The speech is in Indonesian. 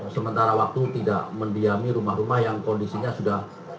sementara waktu tidak mendiami rumah rumah yang kondisinya sudah